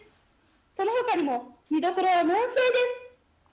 そのほかにも、見どころ満載です。